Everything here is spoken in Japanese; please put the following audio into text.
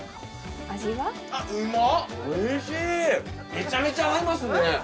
めちゃめちゃ合いますね。